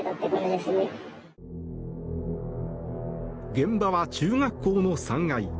現場は中学校の３階。